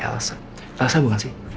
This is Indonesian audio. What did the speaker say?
elsa elsa bukan sih